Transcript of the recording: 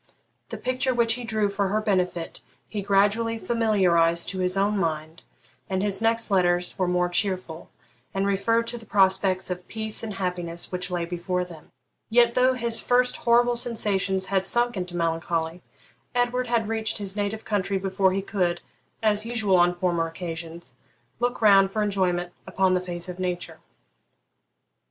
The picture which he drew for her benefit he gradually familiarised to his own mind, and his next letters were more cheerful, and referred to the prospects of peace and happiness which lay before them. Yet, though his first horrible sensations had sunk into melancholy, Edward had reached his native country before he could, as usual on former occasions, look round for enjoyment upon the face of nature.